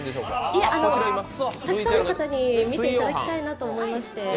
いや、たくさんの方に見ていただきたいなと思いまして。